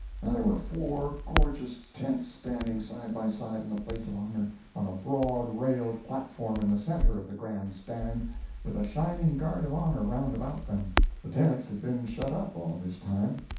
There were four gorgeous tents standing side by side in the place of honor, on a broad railed platform in the centre of the Grand Stand, with a shining guard of honor round about them. The tents had been shut up all this time.